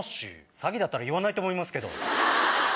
詐欺だったら言わないと思いますけど。